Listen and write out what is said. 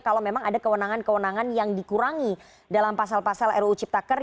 kalau memang ada kewenangan kewenangan yang dikurangi dalam pasal pasal ruu cipta kerja